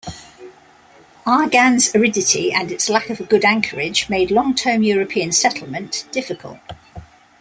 Arguin's aridity and its lack of a good anchorage made long-term European settlement difficult.